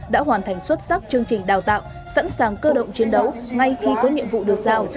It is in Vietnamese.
đã hoàn thành xuất sắc chương trình đào tạo sẵn sàng cơ động chiến đấu ngay khi có nhiệm vụ được giao